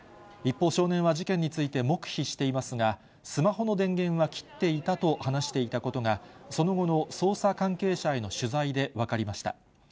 一方、少年は事件について黙秘していますが、スマホの電源は切っていたと話していたことが、その後の捜査関係者への取材で分かりました。